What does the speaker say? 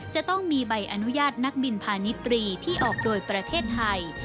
จะต้องมีใบอนุญาตนักบินพาณิตรีที่ออกโดยประเทศไทย